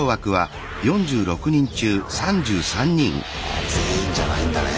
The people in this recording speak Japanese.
あ全員じゃないんだね。